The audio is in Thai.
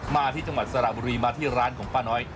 มาที่จังหวัดสระบุรีมาที่ร้านของป้าน้อย